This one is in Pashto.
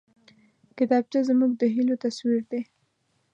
کتابچه زموږ د هيلو تصویر دی